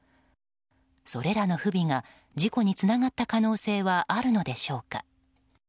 それらの不備が事故につながった可能性はあるのでしょうか。